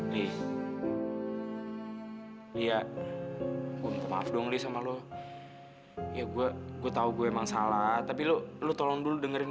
lihat gua minta maaf dong sama lu ya gua gua tahu gue emang salah tapi lu lu tolong dulu dengerin